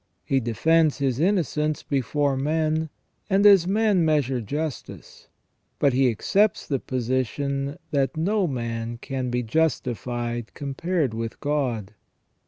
He defends his innocence before men, and as men measure justice ; but he accepts the position that "no man can be justified compared with God